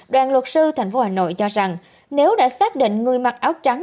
đoàn luật sư thành phố hà nội cho rằng nếu đã xác định người mặc áo trắng